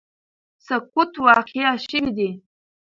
سقوط واقع شوی دی